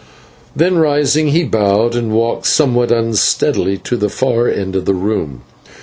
Then rising, he bowed and walked somewhat unsteadily to the far end of the room.